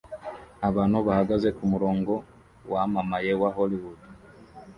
Abantu bahagaze kumurongo wamamaye wa Hollywood